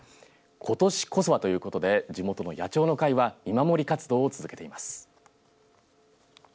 ことしこそはということで地元の野鳥の会は見守り活動を続けています。